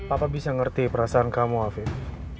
apa bisa ngerti perasaan kamu alvin